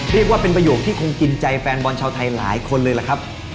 เรียกว่าเป็นประโยคที่คงกินใจแฟนบอลชาวไทยหลายคนเลยล่ะครับ